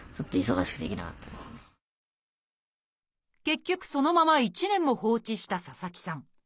結局そのまま１年も放置した佐々木さん。